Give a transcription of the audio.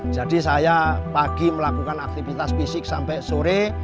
jadi saya pagi melakukan aktivitas fisik sampai sore